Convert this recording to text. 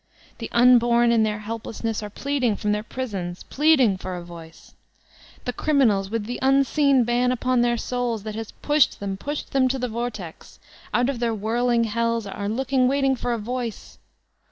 The unborn in their helplessness, are pleading from their prisons, plead ing for a voice! The criminals, with the unseen ban upon their souls, that has pushed them, pushed them to the vortex, out of their whirling hells, are looking, waiting for a voice